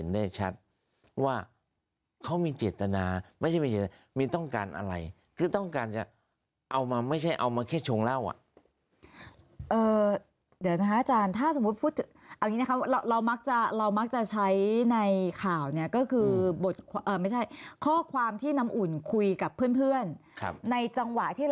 แล้วมีพี่ตี้มาชงก็พูดกันแค่นี้